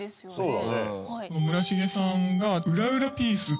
そうだね。